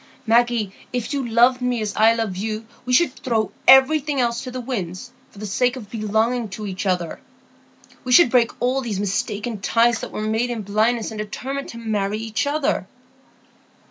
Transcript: Maggie, if you loved me as I love you, we should throw everything else to the winds for the sake of belonging to each other. We should break all these mistaken ties that were made in blindness, and determine to marry each other."